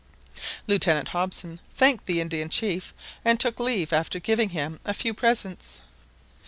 Lieutenant Hobson thanked the Indian chief, and took leave after giving him a few presents.